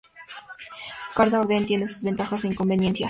Cada orden tiene sus ventajas e inconvenientes.